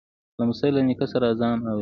لمسی له نیکه سره آذان اوري.